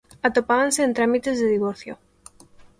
Atopábanse en trámites de divorcio.